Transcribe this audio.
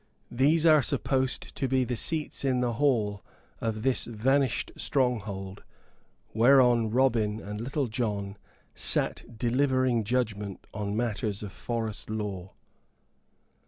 These are supposed to be the seats in the hall of this vanished stronghold whereon Robin and Little John sat delivering judgment on matters of forest law.